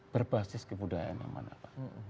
berbasis kebudayaan apa apa